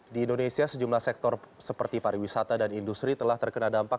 di indonesia sejumlah sektor seperti pariwisata dan industri telah terkena dampak